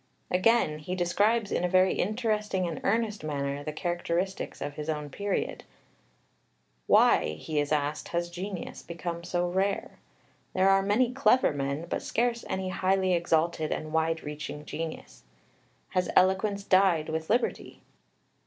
Again, he describes, in a very interesting and earnest manner, the characteristics of his own period (Translation, pp. 82 86). Why, he is asked, has genius become so rare? There are many clever men, but scarce any highly exalted and wide reaching genius. Has eloquence died with liberty?